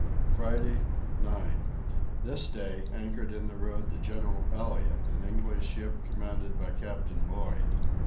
Friday 9. This day anchored in the road the General Elliot, an English ship commanded by Captain Lloyd.